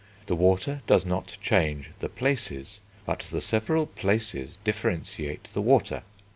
The water does not change the 'places,' but the several 'places' differentiate the water.